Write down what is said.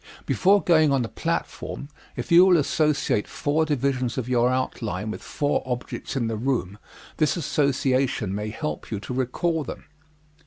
Before going on the platform if you will associate four divisions of your outline with four objects in the room, this association may help you to recall them.